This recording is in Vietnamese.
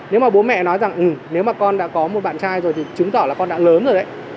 nếu mà bố mẹ nói rằng nếu mà con đã có một bạn trai rồi thì chứng tỏ là con đạo lớn rồi đấy